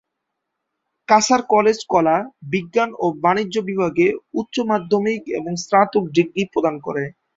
Cachar college কলা, বিজ্ঞান ও বাণিজ্য বিভাগে উচ্চমাধ্যমিক এবং স্নাতক ডিগ্রী প্রদান করে।